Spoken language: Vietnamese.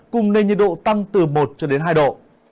cùng nền nhiệt độ tăng từ một cho đến hai độ